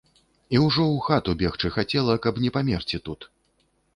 І ўжо ў хату бегчы хацела, каб не памерці тут.